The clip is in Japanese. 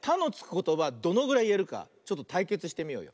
ことばどのぐらいいえるかちょっとたいけつしてみようよ。